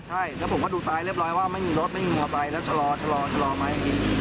ใช่แล้วผมก็ดูซ้ายเรียบร้อยว่าไม่มีรถไม่มีหัวไตแล้วชะลอมาอย่างนี้